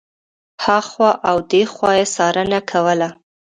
هخوا او دېخوا یې څارنه کوله.